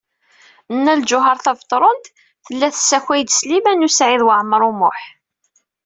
Nna Lǧuheṛ Tabetṛunt tella tessakay-d Sliman U Saɛid Waɛmaṛ U Muḥ.